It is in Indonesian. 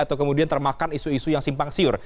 atau kemudian termakan isu isu yang simpang siur